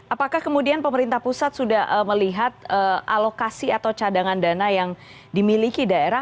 apakah kemudian pemerintah pusat sudah melihat alokasi atau cadangan dana yang dimiliki daerah